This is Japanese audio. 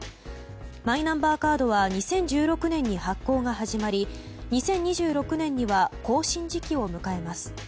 マイナンバーカードは２０１６年に発行が始まり２０２６年には更新時期を迎えます。